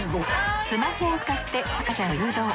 スマホを使って赤ちゃんを誘導。